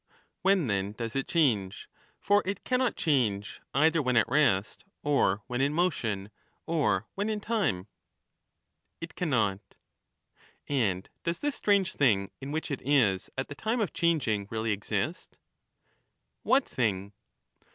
When then does it change ; for it cannot change either when at rest, or when in motion, or when in time ? It cannot. And does this strange thing in which it is at the time of changing really exist ? What thing